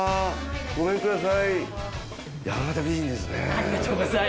ごめんください。